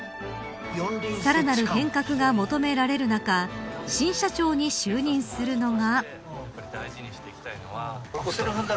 さらなる変革が求められる中新社長に就任するのが。